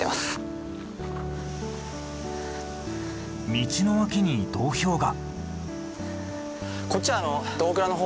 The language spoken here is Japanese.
道の脇に道標が。